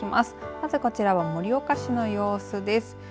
まずこちらは盛岡市の様子です。